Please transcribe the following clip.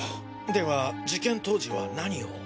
では事件当時は何を？